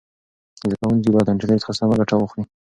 زده کوونکي باید له انټرنیټ څخه سمه ګټه واخلي.